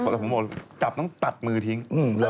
แต่ผมบอกจับต้องตัดมือทิ้ง